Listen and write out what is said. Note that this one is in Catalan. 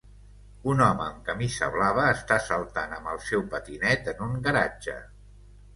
Un home amb camisa blava està saltant amb el seu patinet en un garatge.